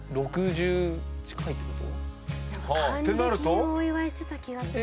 還暦をお祝いしてた気がする。